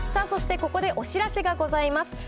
そしてここでお知らせがございます。